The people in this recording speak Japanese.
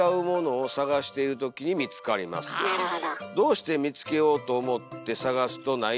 なるほど。